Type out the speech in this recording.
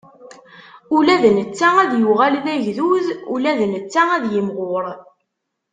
Ula d netta ad yuɣal d agdud, ula d netta ad yimɣur.